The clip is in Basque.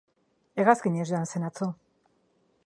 Hegazkinez joan zen atzo.